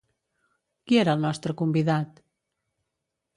Qui era el nostre convidat?